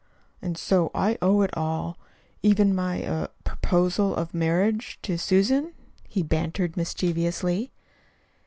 "And so I owe it all even my er proposal of marriage, to Susan," he bantered mischievously.